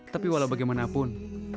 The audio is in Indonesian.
tapi walau bagaimanapun